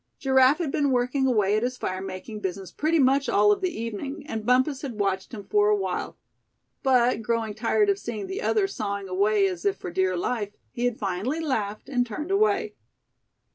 Giraffe had been working away at his fire making business pretty much all of the evening, and Bumpus had watched him for a while; but growing tired of seeing the other sawing away as if for dear life, he had finally laughed, and turned away.